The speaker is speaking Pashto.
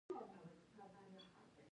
دوی چرمي توکي هم صادروي.